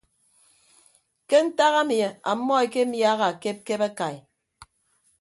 Ke ntak ami ammọ ekemiaha akepkep akai.